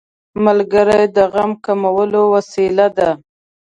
ملګری د غم کمولو وسیله ده